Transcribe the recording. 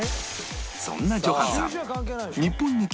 そんなジョハンさん